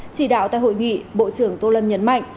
chỉ đạo tại hội nghị bộ trưởng tô lâm nhấn mạnh